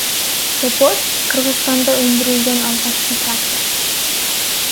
Топоз — Кыргызстанда өндүрүлгөн алгачкы трактор.